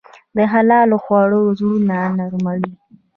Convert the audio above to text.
د حلال خوړو زړونه نرموي.